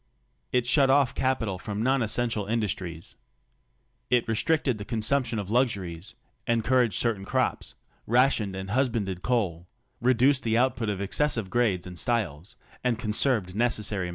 It shut off capital from non essential industries. It restricted the con sumption of luxuries, encouraged certain crops, rationed and husbanded coal, reduced the output of excessive grades and styles, and conserved necessary materials.